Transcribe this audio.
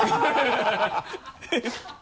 ハハハ